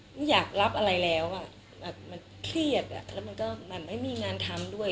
ไม่อยากรับอะไรแล้วมันเครียดแล้วมันก็ไม่มีงานทำด้วย